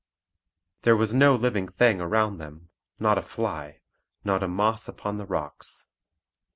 There was no living thing around them, not a fly, not a moss upon the rocks.